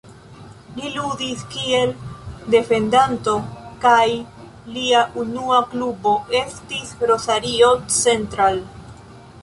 Li ludis kiel defendanto kaj lia unua klubo estis Rosario Central.